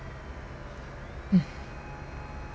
うん。